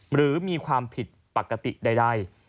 หรือมีความผิดปกติใด